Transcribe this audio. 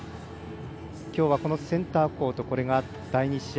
きょうは、このセンターコートこれが第２試合。